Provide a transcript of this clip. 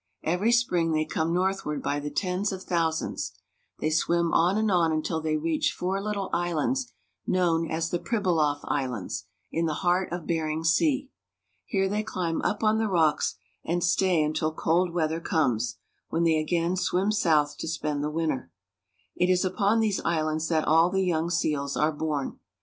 Every spring they come northward by the tens of thousands. They swim on and on until they reach four httle islands, known as the Pribilof Islands, in the heart of Bering Sea. Here they climb up on the rocks, and stay until cold weather comes, when they again swim south to spend the winter. It is upon these islands that all the young seals are born.